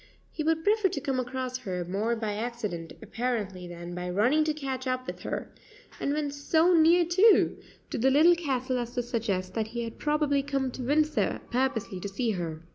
He would prefer to come across her more by accident apparently than by running to catch up with her, and when so near, too, to the Little Castle as to suggest that he had probably come to Windsor purposely to see her.